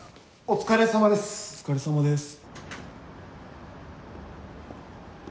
お疲れさまです。